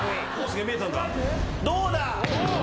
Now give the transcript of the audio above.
どうだ！？